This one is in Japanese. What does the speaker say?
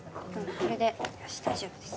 これでよし大丈夫です。